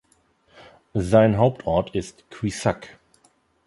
Sein Hauptort ist Quissac.